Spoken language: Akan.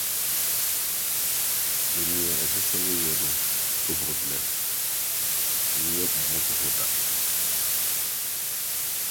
Yɛ nea ɛsɛ sɛ woyɛ no nnɛ — nyɛ mmɔtohɔ da.